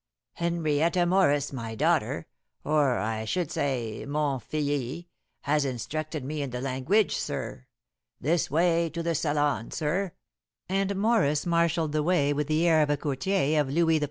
"Henrietta Morris, my daughter or I should say, mon filly has instructed me in the languidge, sir. This way to the salon, sir," and Morris marshalled the way with the air of a courtier of Louis XIV.